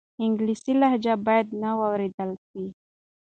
انګلیسي لهجه باید نه واورېدل سي.